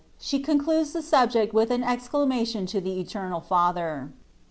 SHE CONCLUDES THIS SUBJECT WITH AN EXCLAMATION TO THE ETERNAL FATHER.